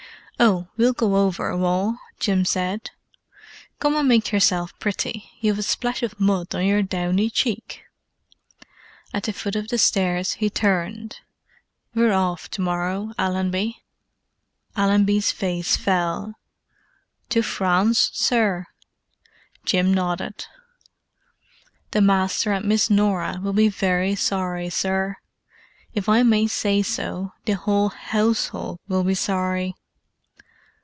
"Oh, we'll go over, Wal," Jim said. "Come and make yourself pretty: you've a splash of mud on your downy cheek." At the foot of the stairs he turned. "We're off to morrow, Allenby." Allenby's face fell. "To France, sir?" Jim nodded. "The master and Miss Norah will be very sorry, sir. If I may say so, the 'ole 'ousehold will be sorry."